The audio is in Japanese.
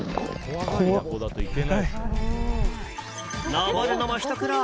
登るのも、ひと苦労。